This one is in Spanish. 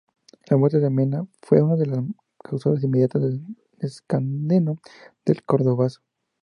La muerte de Mena fue una de las causas inmediatas que desencadenó el Cordobazo.